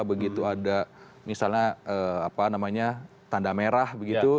begitu ada misalnya apa namanya tanda merah begitu